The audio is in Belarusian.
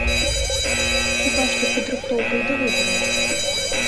Хіба што падрыхтоўкай да выбараў.